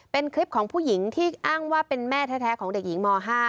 เป็นคลิปของผู้หญิงที่อ้างว่าเป็นแม่แท้ของเด็กหญิงม๕